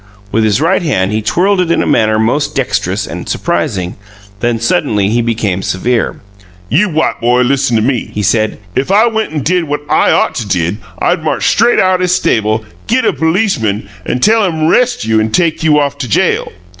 With his right hand he twirled it in a manner most dexterous and surprising; then suddenly he became severe. "You white boy, listen me!" he said. "Ef I went an did what I OUGHT to did, I'd march straight out 'iss stable, git a policeman, an' tell him 'rest you an' take you off to jail.